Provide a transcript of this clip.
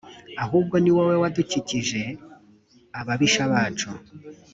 ahubwo ni wowe wadukijije ababisha bacu